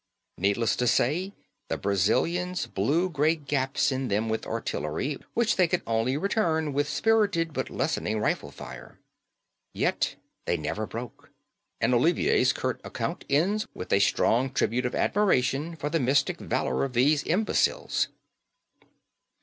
Needless to say, the Brazilians blew great gaps in them with artillery, which they could only return with spirited but lessening rifle fire. Yet they never broke; and Olivier's curt account ends with a strong tribute of admiration for the mystic valour of these imbeciles.